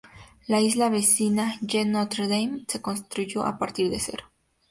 La isla vecina, Île Notre-Dame, se construyó a partir de cero.